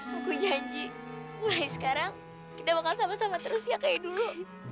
aku janji wahi sekarang kita bakal sama sama terus ya kayak dulu